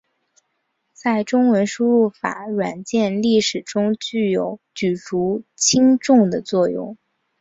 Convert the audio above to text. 在中文输入法软件历史中具有举足轻重的作用。